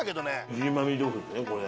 ジーマーミ豆腐ですねこれ。